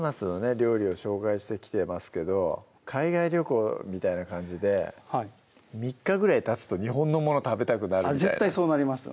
料理を紹介してきてますけど海外旅行みたいな感じで３日ぐらいたつと日本のものを食べたくなるみたいな絶対そうなりますよ